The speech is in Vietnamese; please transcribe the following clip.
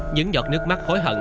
những giọt nước mắt hối hận